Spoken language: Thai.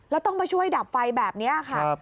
แล้วต้องมาช่วยดับไฟแบบนี้ค่ะ